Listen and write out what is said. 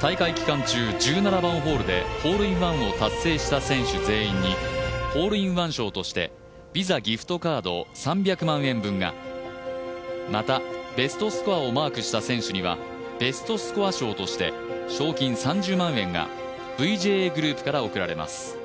大会期間中１７番ホールでホールインワンを達成した選手全員にホールインワン賞としてＶｉｓａギフトカード３００万円分がまた、ベストスコアをマークした選手には、ベストスコア賞として賞金３０万円がＶＡＪグループから贈られます。